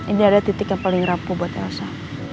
ini adalah titik yang paling rampu buat elsa